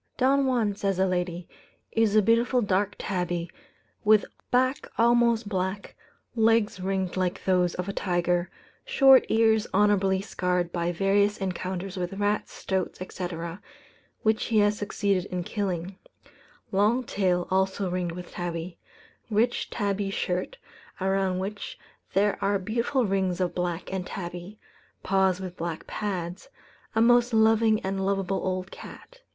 "Don Juan," says a lady, "is a beautiful dark tabby, with back almost black, legs ringed like those of a tiger, short ears honourably scarred by various encounters with rats, stoats, etc., which he has succeeded in killing; long tail, also ringed with tabby; rich tabby shirt, around which there are beautiful rings of black and tabby; paws with black pads a most loving and lovable old cat.